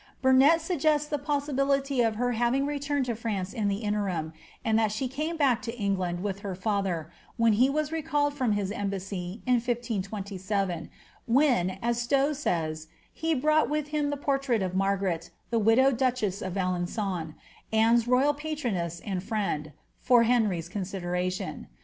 Burnet suggests the possibility of her having returned to France in the interim, and that she came back to England with her frtber, when he was recalled from his embassy, in 1527,' when, as Stowe ttfi, he brought with him the portrait of Margaret, the widowed duchess of Alen9on, Anne'^s royal patroness and friend, for Henry's con nderation.